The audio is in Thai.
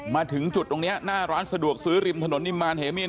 มาถึงจุดตรงนี้หน้าร้านสะดวกซื้อริมถนนนิมมารเหมีน